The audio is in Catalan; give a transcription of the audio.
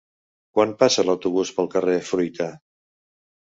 Quan passa l'autobús pel carrer Fruita?